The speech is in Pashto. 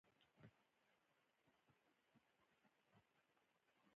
د دغې نظریې پر بنا اړتیاوې شپږ پوړونه لري.